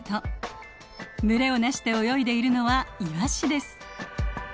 群れを成して泳いでいるのはイワシです。